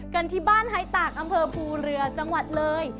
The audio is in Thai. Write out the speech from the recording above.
กันที่บ้านไฮตากอำเภอภูเรือจังหวัดเลย